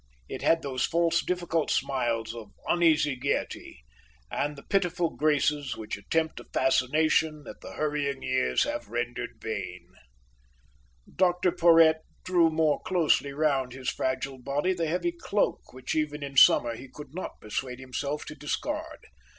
It had those false, difficult smiles of uneasy gaiety, and the pitiful graces which attempt a fascination that the hurrying years have rendered vain. Dr Porhoët drew more closely round his fragile body the heavy cloak which even in summer he could not persuade himself to discard.